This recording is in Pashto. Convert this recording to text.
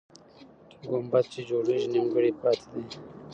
ګمبد چې جوړېږي، نیمګړی پاتې دی.